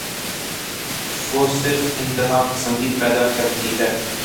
وہ صرف انتہا پسندی پیدا کرتی ہے۔